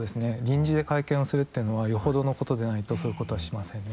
臨時で会見をするっていうのはよほどのことでないとそういうことはしませんね。